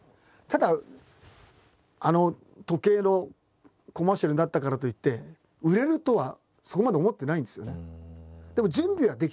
ただあの時計のコマーシャルになったからといって売れるとはそこまで思ってないんですよね。